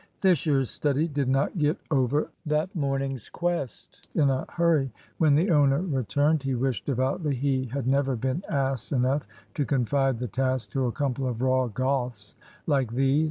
Fisher's study did not get over that morning's quest in a hurry. When the owner returned, he wished devoutly he had never been ass enough to confide the task to a couple of raw Goths like these.